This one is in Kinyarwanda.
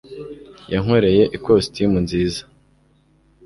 yankoreye ikositimu nziza